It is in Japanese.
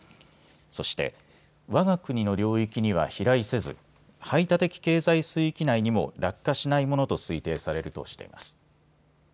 そして、わが国の領域には飛来せず排他的経済水域内にも落下しないものと推定されるとしています。